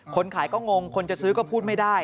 คนขายก็งงคนจะซื้อก็พูดไม่ได้